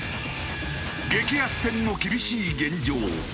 激安店の厳しい現状。